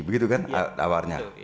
begitu kan awarnya